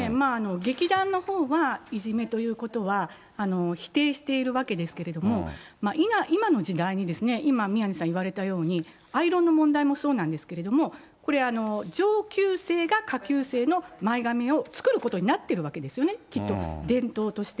劇団のほうはいじめということは否定しているわけですけれども、今の時代にですね、今、宮根さん言われたように、アイロンの問題もそうなんですけれども、これ、上級生が下級生の前髪を作ることになってるわけですよね、きっと、伝統として。